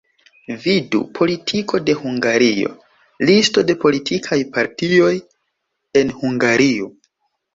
Vidu: Politiko de Hungario, Listo de politikaj partioj en Hungario.